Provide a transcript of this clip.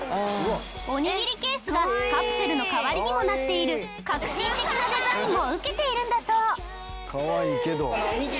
おにぎりケースがカプセルの代わりにもなっている革新的なデザインもウケているんだそう。